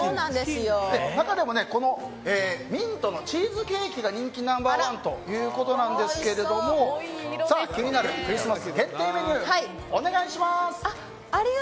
中でもミントのチーズケーキが人気ナンバー１ということですが気になるクリスマス限定メニューお願いします！